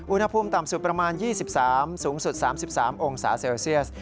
อุณหภูมิต่ำสุดประมาณ๒๓สูงสุด๓๓องศาเซลเซียส